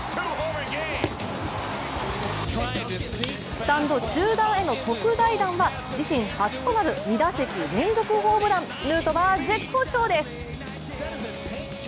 スタンド中段への特大弾は自身初となる２打席連続ホームランヌートバー、絶好調です。